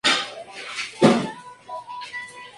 Por ello es que a inicios del siglo.